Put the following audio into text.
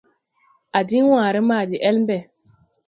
A diŋ wããre ma de el mbe.